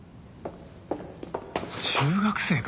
中学生か？